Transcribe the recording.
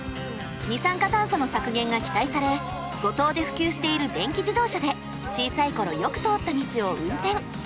二酸化炭素の削減が期待され五島で普及している電気自動車で小さい頃よく通った道を運転。